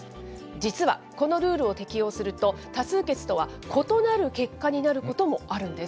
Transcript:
実はこのルールを適用すると、多数決とは異なる結果になることもあるんです。